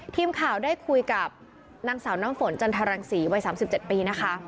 ทีมข่าวได้คุยกับนางสาวน้ำฝนจันทรังศรีวัย๓๗ปีนะคะ